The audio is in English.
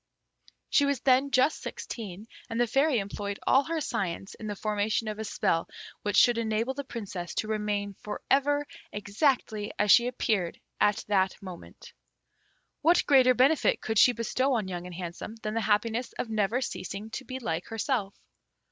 She was then just sixteen: and the Fairy employed all her science in the formation of a spell which should enable the Princess to remain for ever exactly as she appeared at that moment. What greater benefit could she bestow on Young and Handsome than the happiness of never ceasing to be like herself?